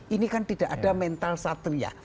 ini kan tidak ada mental satria